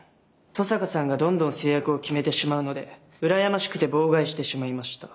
登坂さんがどんどん成約を決めてしまうので羨ましくて妨害してしまいました。